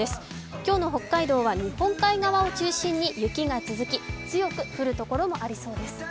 今日の北海道は日本海側を中心に雪が続き、強く降るところもあるそうです。